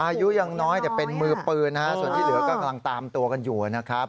อายุยังน้อยแต่เป็นมือปืนนะฮะส่วนที่เหลือก็กำลังตามตัวกันอยู่นะครับ